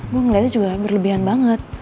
gue ngeliatnya juga berlebihan banget